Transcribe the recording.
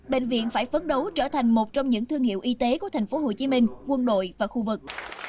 bệnh viện phải phấn đấu trở thành một trong những thương hiệu y tế của thành phố hồ chí minh quân đội và khu vực